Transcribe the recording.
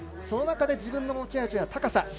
その中で自分の持ち味は高さ。